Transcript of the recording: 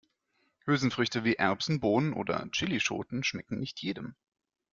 Hülsenfrüchte wie Erbsen, Bohnen oder Chillischoten schmecken nicht jedem.